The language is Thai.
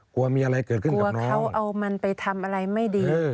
กลัวมีอะไรเกิดขึ้นกับเขาเอามันไปทำอะไรไม่ดี